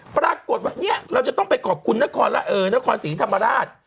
ปรากฏว่าเนี้ยเราจะต้องไปขอบคุณนครแล้วเออนครศรีธรรมดาช